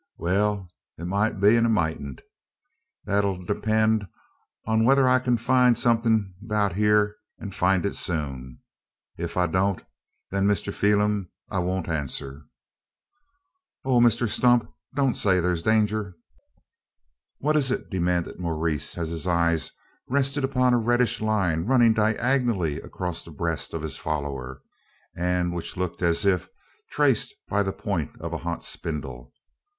"Wal, it mout be, an it moutn't. Thet ere 'll depend on whether I kin find somethin' 'bout hyur, an find it soon. Ef I don't, then, Mister Pheelum, I won't answer " "Oh, Misther Stump, don't say thare's danger!" "What is it?" demanded Maurice, as his eyes rested upon a reddish line running diagonally across the breast of his follower, and which looked as if traced by the point of a hot spindle.